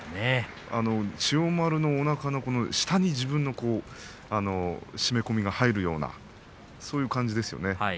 千代丸のおなかの下に自分の締め込みが入るようなそういう感じですよね。